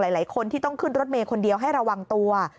หลายคนที่ต้องขึ้นรถเมย์คนเดียวให้ระวังตัว